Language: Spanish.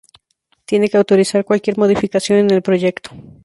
Tiene que autorizar cualquier modificación en el proyecto.